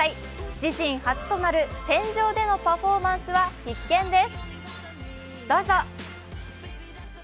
自身初となる船上でのパフォーマンスは必見です。